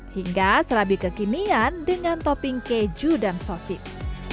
hingga serabi kekinian dengan topping keju dan sosis